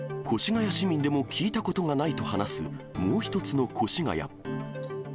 越谷市民でも聞いたことがないと話す、もう一つの越谷。